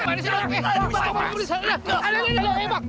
biar dia lagi seneng seneng kyoto